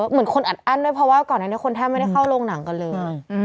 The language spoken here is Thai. เหมือนคนอัดอั้นด้วยเพราะว่าก่อนนั้นคนแทบไม่ได้เข้าโรงหนังกันเลย